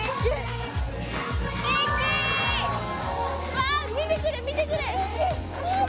わあ見てくれ見てくれミッキー！